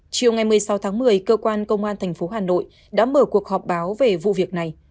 chiều ngày một mươi sáu tháng một mươi cơ quan công an tp hà nội đã mở cuộc họp báo về vụ việc này